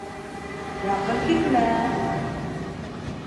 Яҡын килмә!..